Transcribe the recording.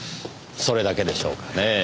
それだけでしょうかねぇ。